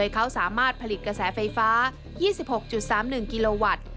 เขาสามารถผลิตกระแสไฟฟ้า๒๖๓๑กิโลวัตต์